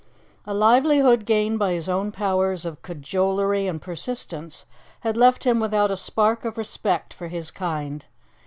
A livelihood gained by his own powers of cajolery and persistence had left him without a spark of respect for his kind.